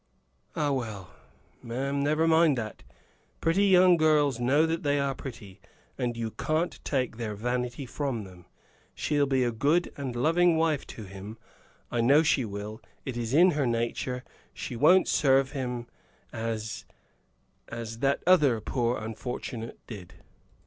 "Ah, well, ma'am never mind that; pretty young girls know they are pretty, and you can't take their vanity from them. She'll be a good and loving wife to him; I know she will; it is in her nature; she won't serve him as as that other poor unfortunate did."